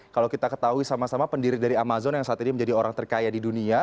kalau kita ketahui sama sama pendiri dari amazon yang saat ini menjadi orang terkaya di dunia